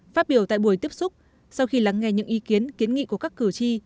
phát biểu tại buổi tiếp xúc sau khi lắng nghe những ý kiến kiến nghị của các cử tri